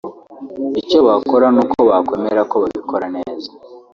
Icyo bakora ni uko bakwereka ko babikora neza